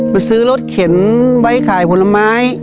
ไปซื้อรถเข็นไว้ขายผลไม้